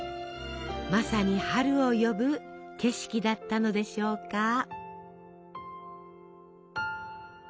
まさに春を呼ぶ景色だったのでしょうか？